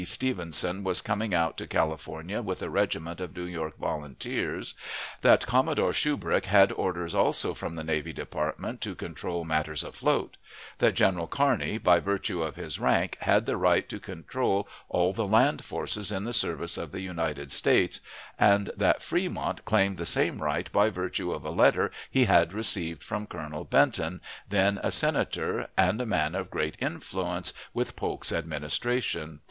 Stevenson was coming out to California with a regiment of New York Volunteers; that Commodore Shubrick had orders also from the Navy Department to control matters afloat; that General Kearney, by virtue of his rank, had the right to control all the land forces in the service of the United States; and that Fremont claimed the same right by virtue of a letter he had received from Colonel Benton, then a Senator, and a man of great influence with Polk's Administration.